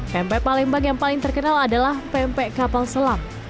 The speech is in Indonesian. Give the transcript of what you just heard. pempe palembang yang paling terkenal adalah pempe kapal selam